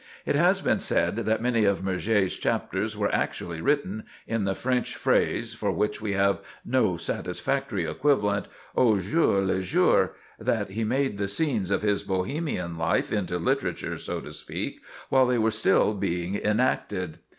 It has been said that many of Murger's chapters were actually written—in the French phrase, for which we have no satisfactory equivalent—au jour le jour; that he made the scenes of his Bohemian life into literature, so to speak, while they were still being enacted.